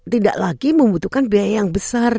tidak lagi membutuhkan biaya yang besar